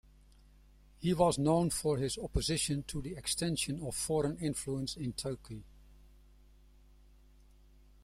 He was known for his opposition to the extension of foreign influence in Turkey.